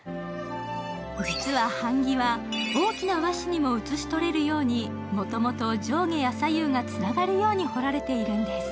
実は、版木は大きな和紙にも写し取れるように、もともと上下や左右がつながるように彫られているんです。